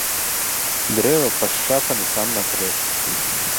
Дрэва пашчапана там на трэскі.